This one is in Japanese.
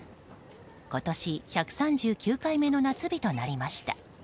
今年１３９回目の夏日となりました。